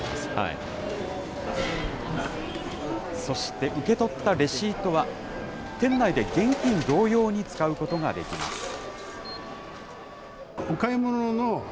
そして、受け取ったレシートは、店内で現金同様に使うことができます。